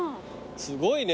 すごいね。